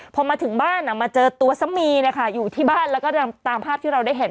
พอมาถึงบ้านมาเจอตัวซะมีนะคะอยู่ที่บ้านแล้วก็ตามภาพที่เราได้เห็น